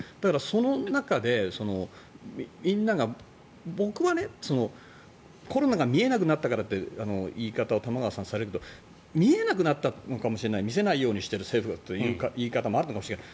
その中で、みんなが僕はコロナが見えなくなったからっていう言い方を玉川さんはされるけど見えなくなったかもしれない見せないようにしている政府がという言い方もあるのかもしれない。